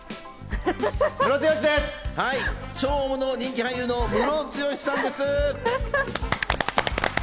超大物人気俳優のムロツヨシさんです。